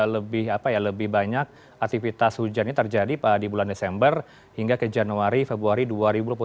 lebih apa ya lebih banyak aktivitas hujan ini terjadi di bulan desember hingga ke januari februari dua ribu dua puluh satu